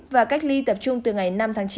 và cách ly tập trung từ ngày năm tháng chín